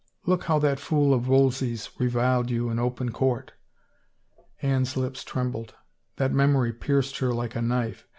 Look how that fool of Wolsey's reviled you in open court !" Anne's lips trembled. That memory pierced her like a knife.